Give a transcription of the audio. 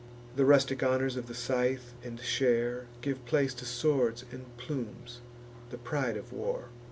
The rustic honours of the scythe and share Give place to swords and plumes, the pride of war.